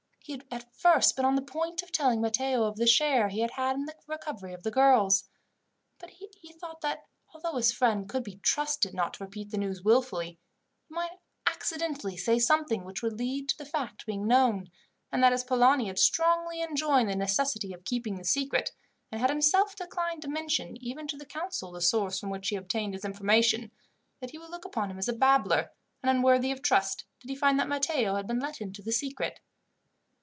He had at first been on the point of telling Matteo of the share he had had in the recovery of the girls; but he thought that although his friend could be trusted not to repeat the news wilfully, he might accidentally say something which would lead to the fact being known, and that as Polani had strongly enjoined the necessity of keeping the secret, and had himself declined to mention, even to the council, the source from which he obtained his information, he would look upon him as a babbler, and unworthy of trust, did he find that Matteo had been let into the secret.